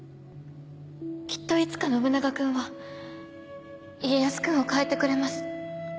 きっといつか信長君は家康君を変えてくれます。